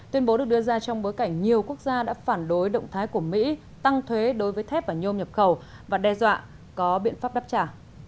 tuyên bố được đưa ra trong bối cảnh nhiều quốc gia đã phản đối động thái của mỹ tăng thuế đối với thép và nhôm nhập khẩu và đe dọa có biện pháp đáp trả